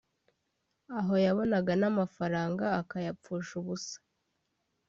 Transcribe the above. aho yabonaga n’amafaranga akayapfusha ubusa